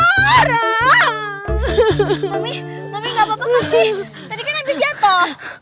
mami mami gak apa apa tapi tadi kan habis jatuh